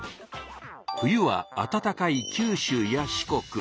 冬はあたたかい九州や四国。